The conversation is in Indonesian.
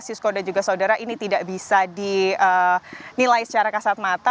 sisko dan juga saudara ini tidak bisa dinilai secara kasat mata